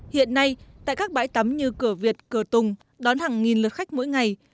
hiện nay tại các bãi tắm như cửa việt cửa tùng đón hàng nghìn lượt khách mỗi ngày